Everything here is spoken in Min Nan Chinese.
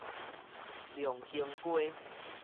龍興街